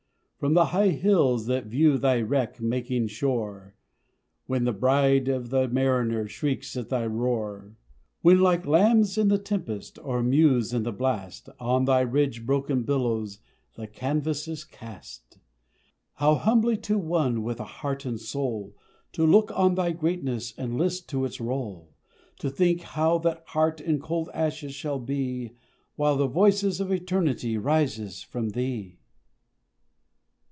From the high hills that view Thy wreck making shore, When the bride of the mariner Shrieks at thy roar, When like lambs in the tempest Or mews in the blast, On thy ridge broken billows The canvas is cast How humbling to one, With a heart and a soul, To look on thy greatness And list to its roll; To think how that heart In cold ashes shall be, While the voice of Eternity Rises from thee?